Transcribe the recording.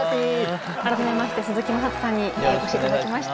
改めまして鈴木優人さんにお越し頂きました。